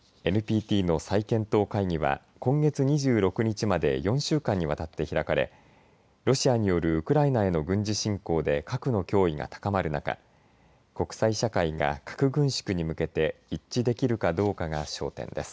ＮＰＴの再検討会議は今月２６日まで４週間にわたって開かれロシアによるウクライナへの軍事侵攻で核の脅威が高まる中国際社会が核軍縮に向けて一致できるかどうかが焦点です。